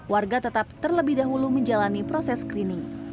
warga tetap terlebih dahulu menjalani proses screening